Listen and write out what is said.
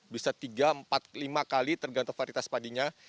bisa tiga empat lima kali tergantung varitas padinya